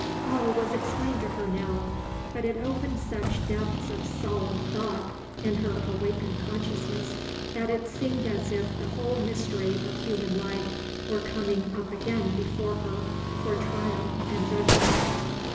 All was explained to her now. But it opened such depths of solemn thought in her awakened consciousness, that it seemed as if the whole mystery of human life were coming up again before her for trial and judgment.